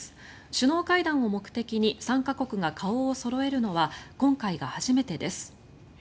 首脳会談を目的に３か国が顔をそろえるのは今回が初めてです。